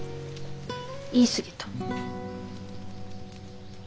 言い過ぎた。